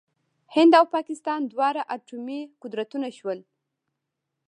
هند او پاکستان دواړه اټومي قدرتونه شول.